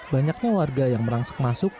banyaknya warga yang merangsek masuk